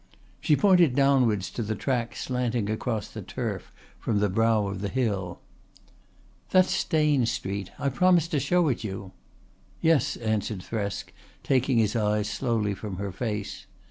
She pointed downwards to the track slanting across the turf from the brow of the hill. "That's Stane Street. I promised to show it you." "Yes," answered Thresk, taking his eyes slowly from her face.